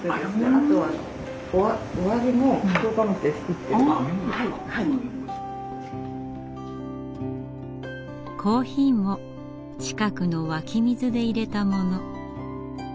あとはコーヒーも近くの湧き水でいれたもの。